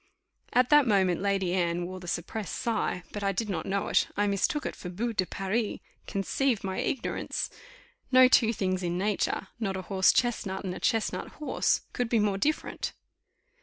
At that moment, Lady Anne wore the suppressed sigh, but I did not know it I mistook it for boue de Paris conceive my ignorance! No two things in nature, not a horse chestnut and a chestnut horse, could be more different.